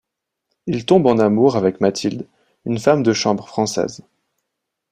Il tombe en amour avec Mathilde, une femme de chambre française.